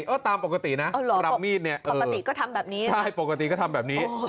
ก็ตามปกตินะรับมีดเนี่ยปกติก็ทำแบบนี้ใช่ปกติก็ทำแบบนี้